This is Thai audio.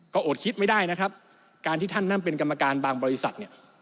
ก็อดคิดไม่ได้นะครับการที่ท่านนั่งเป็นกรรมการบางบริษัทเนี่ย